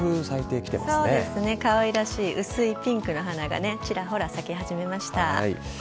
そうですね、かわいらしい、薄いピンクの花がね、ちらほら咲き始めました。